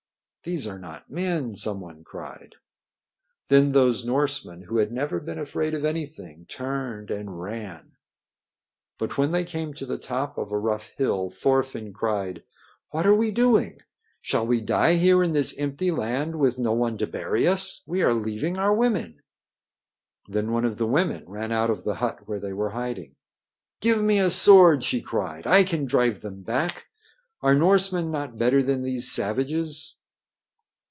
"These are not men," some one cried. Then those Norsemen who had never been afraid of anything turned and ran. But when they came to the top of a rough hill Thorfinn cried: "What are we doing? Shall we die here in this empty land with no one to bury us? We are leaving our women." Then one of the women ran out of the hut where they were hiding. "Give me a sword!" she cried. "I can drive them back. Are Norsemen not better than these savages?"